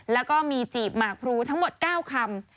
แล้วก็มีจีบหมากพรูทั้งหมด๙คำ